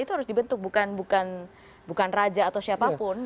terus dibentuk bukan bukan raja atau siapapun